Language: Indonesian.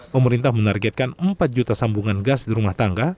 pemerintah menargetkan empat juta sambungan gas di rumah tangga